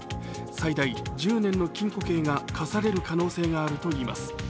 最大１０年の禁錮刑が科される可能性があるといいます。